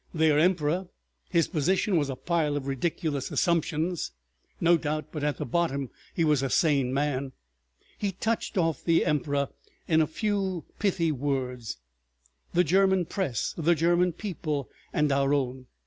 Their emperor—his position was a pile of ridiculous assumptions, no doubt, but at bottom—he was a sane man." He touched off the emperor in a few pithy words, the German press, the German people, and our own.